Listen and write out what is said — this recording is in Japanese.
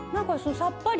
さっぱり。